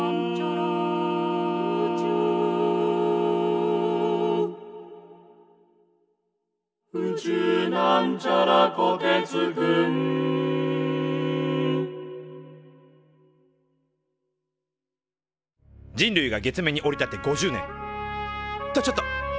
「宇宙」人類が月面に降り立って５０年！とちょっと。